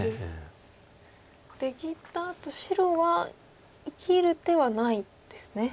出切ったあと白は生きる手はないんですね。